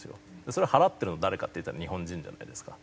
それは払ってるの誰かっていったら日本人じゃないですか。